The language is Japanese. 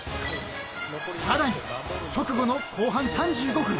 ［さらに直後の後半３５分］